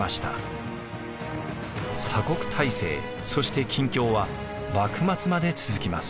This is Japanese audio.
鎖国体制そして禁教は幕末まで続きます。